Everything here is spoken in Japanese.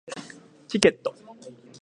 チケット